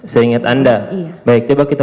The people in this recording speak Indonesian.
seinget anda iya baik coba kita